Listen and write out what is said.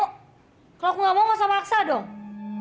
kalau aku nggak mau nggak usah maksa dong